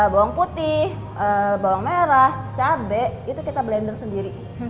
bawang putih bawang merah cabai itu kita blender sendiri